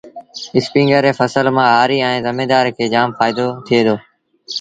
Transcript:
اسپيٚنگر ري ڦسل مآݩ هآريٚ ائيٚݩ زميݩدآر کي جآم ڦآئيٚدو ٿُئي دو۔